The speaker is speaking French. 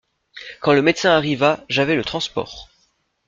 Quand le médecin arriva, j'avais le transport.